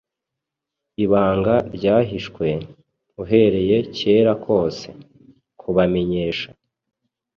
ibanga » ryahishwe « uhereye kera kose » kubamenyesha -”